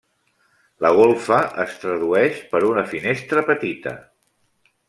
La golfa es tradueix per una finestra petita.